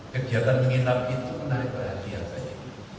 kegiatan mengintam itu menarik perhatian saya